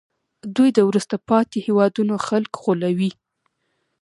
دوی د وروسته پاتې هېوادونو خلک غولوي